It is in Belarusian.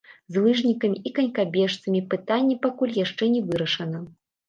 З лыжнікамі і канькабежцамі пытанне пакуль яшчэ не вырашана.